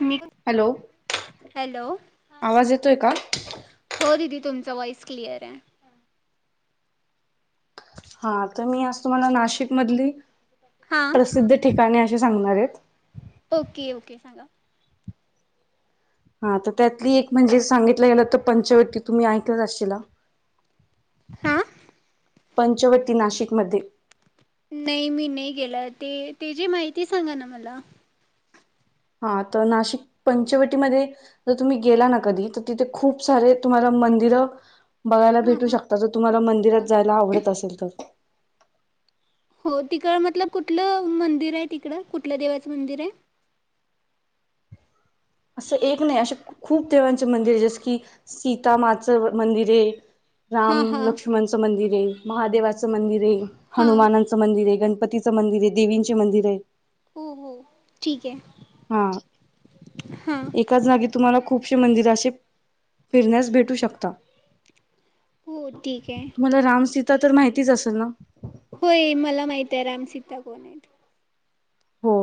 मी hello. Hello आवाज येतोय का? हो दिदी तुमचा वॉइस क्लियराय. हा. तर मी आज तुम्हाला नाशिक मधली हां प्रसिद्ध ठिकाणी - - सांगणारेत. ओके ओके सांगा. हा. तर त्यातली एक म्हणजे सांगितलं गेलं तर पंचवटी तुम्ही ऐकलंच असशिला. हा पंचवती नाशिकमध्ये नाही मी नाही गेला. ते तेजी माहिती सांगा ना मला. हा. तर नाशिक पंचवटीमध्ये जर तुम्ही गेला ना कधी तर तिथे खूप सारे तुम्हाला मंदिर बघायला हां भेटू हां शकता. जर तुम्हाला मंदिरात जायला आवडत असेल तर. हो तिकड मतल कुठलं मंदिर हाय तिकड कुठलं देवाचं मंदिर हाय? [inaudible] असं एक नाही, असे खूप देवांचे मंदिरये जस की सीतामाचं मंदिरये. राम हां हां लक्ष्मणचं मंदिरये. महादेवाचं मंदिरये. हां हनुमानांचं मंदिरये. गण- - पतीचं मंदिरये. देवींचे मंदिराईत. हो हो ठीक आहे. हा, हां एकाच जागी तुम्हाला खूपसे मंदिर असे फिरण्यास भेटू शकत. हो ठीक आहे. आता तर माहितीच असेल ना. होय मला माहित आहे रामसीता कोण आहेत. हो,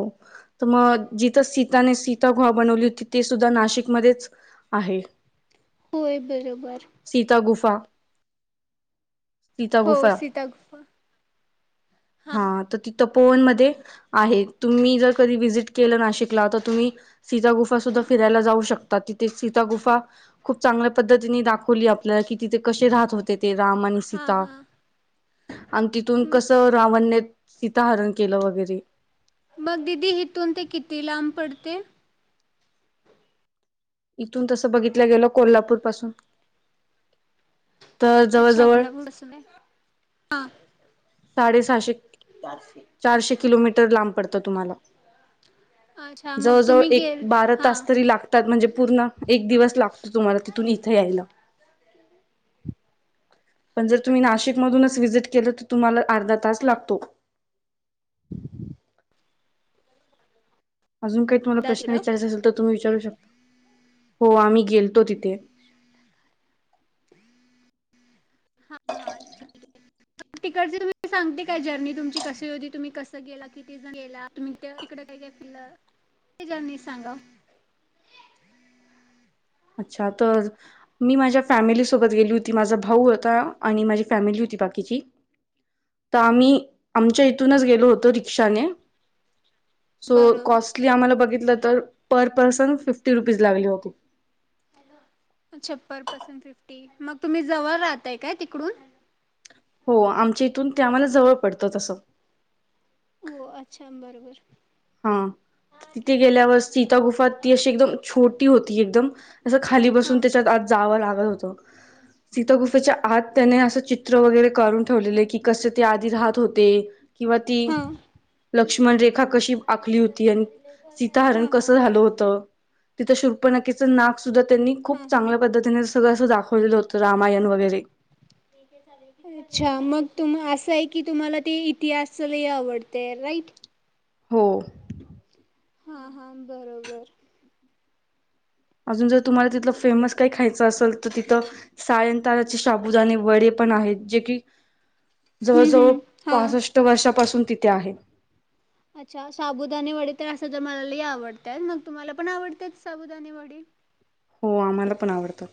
त म जिथं सीताने सीता घुहा बनवली होती ते सुद्धा नाशिकमध्येच आहे. होय बरोबर. सीता गुफा. सीता हो गुफा, सीता गुफा हां हा तो ति तपोवन मध्ये आहे तुम्ही जर कधी व्हजिट केलं नाशिकला तर तुम्ही सीता गुफा सुद्धा फिरायला जाऊ शकता तिथे सीता गुफा खूप चांगल्या पद्धतीने दा खोली आपल्याला कि तिथे कसे राहत होते ते राम आणि हां सीता. हां आणि तिथून कसं रावणने सीता हरण केलं वगैरे मग दिदी हिथून ते किती लांब पडते. इथून तसं बघितल्या गेल कोल्हापूर पासून तर अच्छा जवळजवळ गुलाब बसून, हा. साडेसहाशे चारशे किलोमीटर लांब पडतं तुम्हाला. अच्छा मग जवळ जवळ तुम्ही एक गेल बारा हा तास तरी लागतात म्हणजे पूर्ण एक दिवस लागतो. तुम्हाला तिथून इथे यायला. पण जर तुम्ही नाशिक मधूनच व्हिसिट केलं तर तुम्हाला अर्धा तास अच्छा लागतो. [inaudible] अजून काही तूम्हाला प्रश् तिकडं विारायचा असेल तुम्ही विचारू शकता. हो आम्ही गेलतो तिथ. हा हा ठीक आहे. तिकटची तुम्ही सांगते काय जर्नी तुमची कशी होती तुम्ही कसं गेला किती जण गेला तुम्ही त काय काय फिरलं, जर्नी सांगा. [inaudible] अच्छा तर मी माझ्या फॅमिली सोबत गेली होती माझा भाऊ होता आणि माझी फॅमिली बाकिची तर आम्ही आमच्या इथूनच गेलो होतो रिक्षाने. सो बरोबर कॉस्टली आम्हाला बघितलं तर पर पर्सन फिफ्टी रुपीज लागली होते. अच्छा पर परसन फिफ्टी मग तुम्ही जवळ राहताय काय तिकडून. हो आमच्या इथून ते आम्हाला जवळ पडतं तसं हो अच्छा बरोबर. हा. तिथे गेल्यावर सीता गुफा ती अशी एकदम छोटी होती एकदम असं खाली बसून हां त्याच्यात आत जाव लागत होत सीता घुफेच्या आत त्याने असं चित्र वगैरे काढून ठेवलेलं की कसे ते आधी राहत होते. किंवा ती हां लक्ष्मण रेखा कशी आखली होती आणि सीत हारण हां कसं हां झालं होतं तिथं शुर्पनाकेचं नाक सुद्धा त्यांनी खूप हां हां चांगल्या पद्धतीने सगळं असं दाखवलेलं होतं रामायण वगैरे. अच्छा मग तुम असं आहे की तुम्हाला ते इतिहास लय आवडतेय राईट. हो. हा हा बरोबर. अजून जर तुम्हाला तिथलं फेमस काही खायचं असेल तर तिथं सायंताराचे शाबुदाने वडे पण आहेत, जे की जवळ हं, जवळ हं. हां. पासष्ट वर्षापासून तिथे आहे. अच्छा साबुदाने वडे तर असं तर मला लय आवतात मग तुम्हाला पण आवडतेच साबुदाने वडे. हो आम्हाला पण आवडत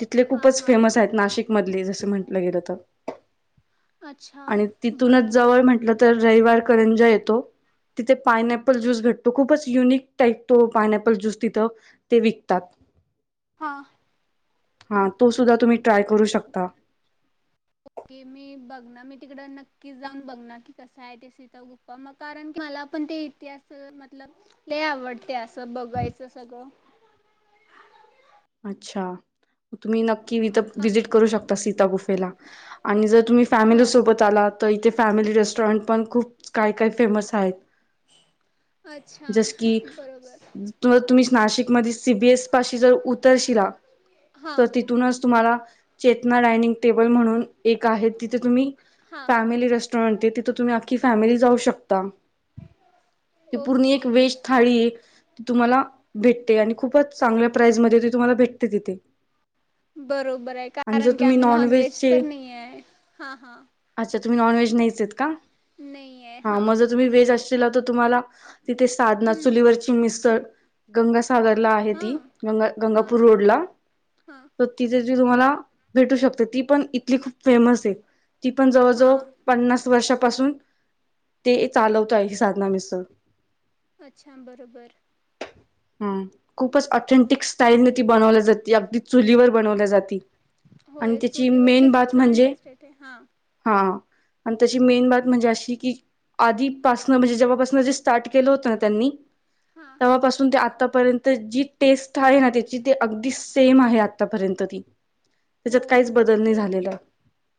तिथले हां, खूपच हां. फेमस आहेत, नाशिक मधली जस म्हंटलं गेलं तर अच्छा आणि तिथूनच बरोबर. जवळ म्हंटलं तर रविवार करंजा येतो. तिथे पायनॅपल ज्यूस भेटतो. खूपच युनिक टाईप तो, पायनॅपल ज्यूस तिथं ते विक तात. हां. हा तो सुद्धा तुम्ही ट्राय करू शकता. की मी बघणार, मी तिकड नक्कीच जाऊन बघणार की, कस हाय ते सीता गुप्पा? मग कारण की, मला पण ते इतिहास मतलब लई आवडतय. असं बघायचं सगळं. अच्छा, तुम्ही नक्की वीथ हां, व्हिजिट करू शकता, सीता गुफेला आणि जर तुम्ही हो. फॅमिली सोबत आला तर, इथे फॅमिली रेस्टॉरंट पण खूप काय काय फेमस आहेत? अच्छा जस की, बरोबर. तू तुम्ही नाशिक मधीच सीबीएस पाशी जर उतरशिला, तर हां, तिथूनच तुम्हाला चेतना डायनिंग टेबल म्हणून एक आहे, तिथे तुम्ही हां. फॅमिली रेस्टॉरंट तिथ तुम्ही अख्खी फॅमिली जाऊ शकता. ती पूर्ण ओके. एक व्हेज थाळी तुम्हाला भेटते आणि खूपच चांगल्या प्राईज मध्ये तुम्हाला भेटते तिथे. बरोबर हाय, आणि जर कारण की तुम्ही आम्ही नॉन व्हेज नॉनव्हेजचे तर, नाही हाय. हा हा. अच्छा तुम्ही नॉन व्हेज नाहीचएत का? आहे हा हां म जर तुम्ही व्हेज आशीला तर तुम्हाला तिथे साधना हम्म चुलीवरची मिसळ गंगासागरला आहे हां ती, गंग हां गंगापूर हां रोडला हां तर तिथे म्हंजे तुम्हाला भेटू शकते. ती पण इथली खूप फेमस ए. ती पण जवळजवळ हां पन्नास वर्ष पासून ते चालवताय साधना मिसळ. अच्छा बरोबर. हां. खूपच ऑथेंटिक स्टाईलने ती बनवली जाती, अगदी चुलीवर बनवल्या जाती. आणि होय, त्याची मेन चुलीवरचीच बात छान म्हणजे टेस्ट येते हा. हा आणि त्याची मेन बात म्हणजे अशी की आधीपासन म्हणजे जेव्हापासन जे स्टार्ट केलं होतं ना त्यांनी हां तव्हापासून ते आतापर्यंत जी टेस्ट हाये ना, त्याची ती अगदी सेम आहे आतापर्यंत ती हो त्याच्यात काहीच बदल नाही ओके झालेला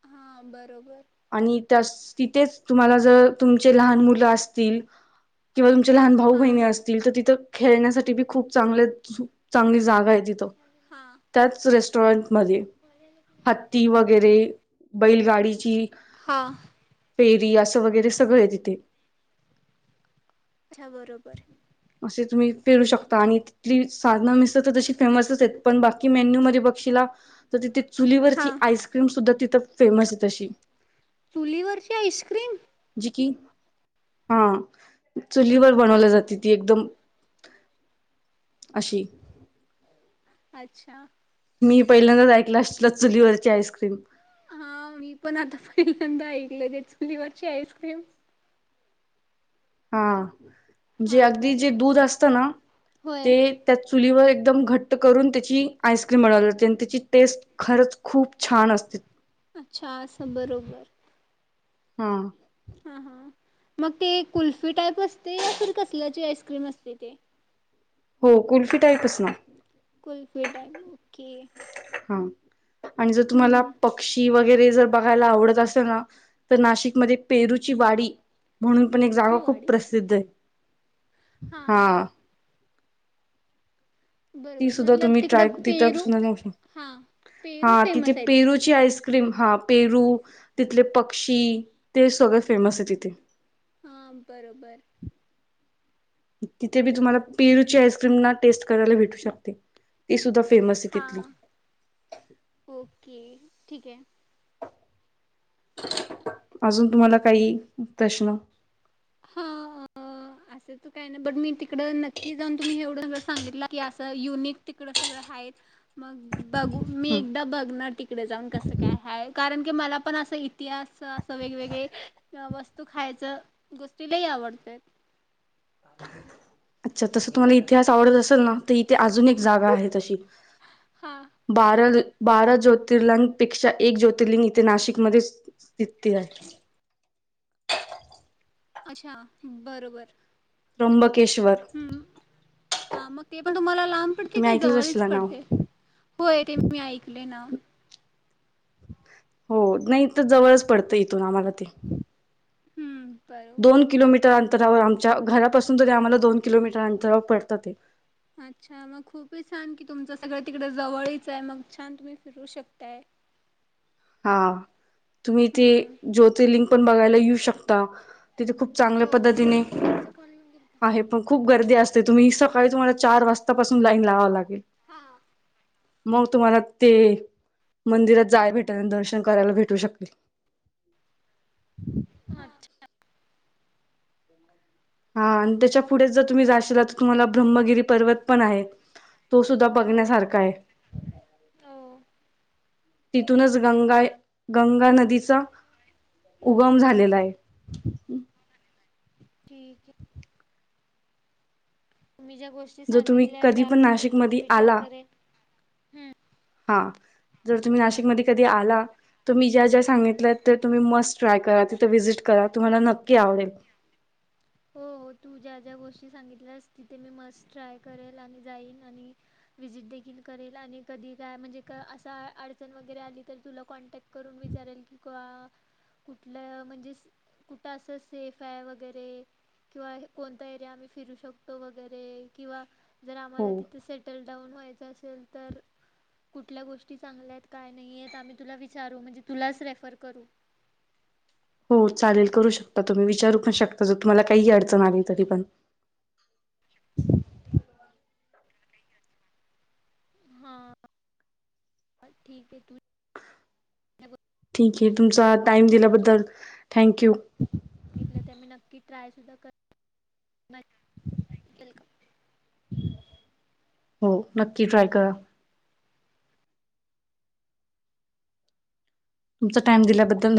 हां बरोबर आणि त्याच तिथेच, तुम्हाला जर तुमचे लहान मुलं असतील किंवा तुमचे लहान भाऊ बहिणी हां असतील, तर तिथं खेळण्यासाठी बी खूप चांगल्या चांगली जागा आहेत. तीथ हां त्याच रेस्टॉरंट मध्ये हत्ती वगैरे बैलगाडीची हां फेरी असं वगैरे सगळं आहे तिथे. अच्छा बरोबर. असे तुम्ही फिरू शकता आणि तिथली साधना मिसळ तर तशी फेमसच आहेत, पण बाकी मेन्यू मध्ये बघ शीला, तर तिथे चुलीवरची हां आईस्क्रीम सुधा तिथ फेमस हाय तशी. चुलीवरची आईस्क्रीम! जी की, हा चुलीवर बनवली जाती. ती एकदम अशी अच्छा. मी पहिल्यांदाच ऐकलं असल, चुलीवरची आईस्क्रीम हा मी पण, आता पहिल्यांदा ऐकलं जे चुलीवरची आईस्क्रीम हा म्हणजे हां अगदी जे बरोबर दूध असत ना, होय ते त्या चुलीवर एकदम घट्ट करून त्याची आईस्क्रीम बनवली जाते आणि त्याची टेस्ट खरंच खूप छान असते. अच्छा असं बरोबर. हा. हा हा. मग ते कुल्फी टाईप असते या फि कसल्याची आईस्क्रीम असते ते? हो. कुल्फी टाईपच ना. कुल्फीटाईप ओके. हा आणि जर हम्म तुम्हाला हम्म पक्षी व गैरे जर बघायला आवडत असे ना तर नाशिकमध्ये पेरूची वाडी म्हणून पण एक पेरूची जागा खूप प्रसिध्दाय. हां हां. ती सुद्धा मतलब तुम्ही तिकडं ट्राय तिथच पेरू म हा पेरू हां तिथे फेमस आहेत पेरूची आईस क्रीम हां, पेरू तिथले पक्षी, ते सगळ फेमस आहे तिथे. हां, बरोबर. तिथे बी तुम्हाला पेरूची आईस्क्रीम ना टेस्ट करायला भेटू शकते. ती सुद्धा फेमस आहे तिथली. हां ओके ठीक हाय. [unintelligible] अजून तुम्हाला काही प्रश्न? हां आं. अस तर काय नाही बट मी तिकडं नक्की जाऊन तुम्ही एवढं जर सांगितला की असं युनिक तिकडं सगळं हाय. तब मी हं. एकदा बघणार तिकडे जाऊन कसं काय हाय कारण की मला पण असं इतिहास, असं वेगवेगळे वस्तू, खायचं, गोष्टी लई आवडतं. [inaudible] अच्छा, तसं तुम्हाला इतिहास आवडत असेल ना तर इथे अजून जागा आहे तशी. हा बार बारा ज्योतिर्लिंगपेक्षा एक ज्योतिर्लिंग इथे नाशिकमध्ये स्थितीत आहे [inaudible] अच्छा! बरोबर. त्र्यंबकेश्वर हम्म हा मग ते पण तुम्हाला लांब पडतय, तुम्ही काय ऐकलंच जवळच असशीला नाव पडतय होय. ते मी ऐकले नाव हो नाही इथन जवळच पडतंय इथून आम्हाला ते हम्म. बरोबर दोन किलोमीटर अंतरावर आमच्या घरापासून तरी आम्हाला दोन किलोमीटर अंतरावर पडतात ते अच्छा मग खूप छान कि तुमच सगळं तिकडे जवळच आहे मग छान तुम्ही फिरू शकताय. [inaudible] हा तुम्ही तेे हम्म. ज्योतिर्लिंंग पण बघायला येऊ शकता. तिथे खूप चांगल्या हो. पद्धतीने कुणाचा कॉल येऊन गेलता? आहे, पण खूप गर्दी असते. तुम्ही सकाळी तुम्हाला चार वाजतापासून लाईन लावावं लागेल. हा. मग तुम्हाला ते मंदिरात जायला भेटत. त्यांनतर दर्शन करायला भेटू शकते. अच्छा! हा आणि त्याच्या अजून काय? पुढेच जर तुम्ही जाशला तर तुम्हाला ब्रम्म्हगिरी पर्वत पण आहे. तो सुद्धा हो बघण्यासारखा आहे. हो तिथूनच गंगा गंगा नदीचा उगम झालेला आहे. ठीक आहे. तुम्ही ज्या गोष्टी जर तुम्ही सांगितल्या कधी त्यावर पण मी नक्कीच नाशिकमध्ये विचार आला करेल. हा. जर तुम्ही नाशिक मध्ये कधी आला तर मी ज्या ज्या सांगितल्या तुम्ही मस्ट ट्राय करा तिथे व्हीजिट करा तुम्हाला नकी आवडेल. [unintelligible] हो हो. तू ज्या-ज्या गोष्टी सांगितल्यास तिथे मी मस्ट ट्राय करेल आणि जाईन आणि विजिट देखील करेल आणि कधी काय म्हणजे असा अडचण वगैरे आली तर तुला कॉन्टॅक्ट करून मी विचारेल की का कुठल म्हणजे कुठ अस सेफ आहे वगैरे किंवा कोणता एरिया आम्ही फिरू शकतो, वगैरे किंवा जर हो आम्हाला तिथ सेटल जाऊन व्हायच असेल तर कुठल्या गोष्टी चांगल्या आहेत काय नाही आम्ही तुला विचारू म्हणजे तुलाच रेफर करू. [unintelligible] हो चालेल करू शकता तुम्ही विचारू पण शकता जर तुम्हाला काही अडचण आली तरी पण. [unintelligible] हा ठीक आहे तू. ठीक आहे तुमचा टाइम दिल्याबद्दल थँंक यू. सांगितलं तर मी नक्की ट्राय सुुद्धा कर. बाय नंतर कॉल करू. हो नक्की ट्राय करा. तुमचा टाम दिल्याबद्दल धन्यवाद.